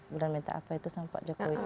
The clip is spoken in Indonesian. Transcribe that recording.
kemudian minta apa itu sama pak jokowi